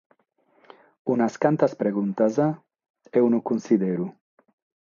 Unas cantas pregontas e unu cunsideru.